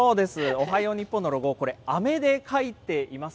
おはよう日本のロゴ、これ、あめで書いています。